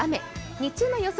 日中の予想